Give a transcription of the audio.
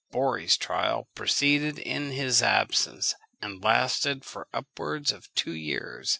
Borri's trial proceeded in his absence, and lasted for upwards of two years.